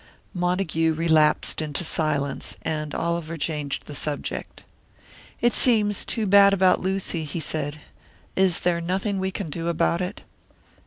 Montague relapsed into silence, and Oliver changed the subject. "It seems too bad about Lucy," he said. "Is there nothing we can do about it?"